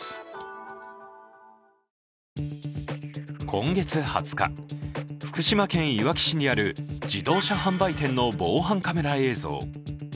今月２０日、福島県いわき市にある自動車販売店の防犯カメラ映像。